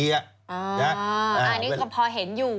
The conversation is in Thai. อ๋ออันนี้คือพอเห็นอยู่